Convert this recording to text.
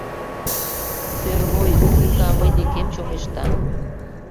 Пӧрвой пулька мый декем чоҥешта.